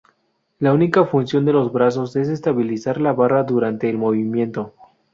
La única función de los brazos es estabilizar la barra durante el movimiento.